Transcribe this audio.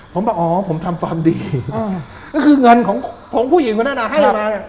ผมบอกอ๋อผมทำความดีอืมก็คือเงินของของผู้หญิงคุณแน่นานาให้มา